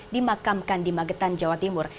dimakamkan di magetan jawa timur